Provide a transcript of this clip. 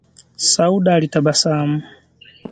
Sauda alitabasamu